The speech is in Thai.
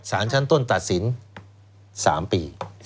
สารชั้นต้นตัดสิน๓ปี